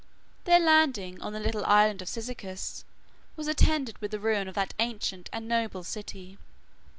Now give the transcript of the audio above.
Their landing on the little island of Cyzicus was attended with the ruin of that ancient and noble city.